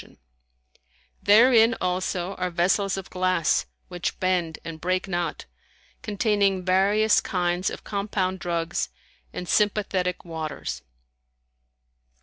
[FN#156] Therein, also, are vessels of glass which bend and break not, containing various kinds of compound drugs and sympathetic waters.